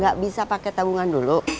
gak bisa pakai tabungan dulu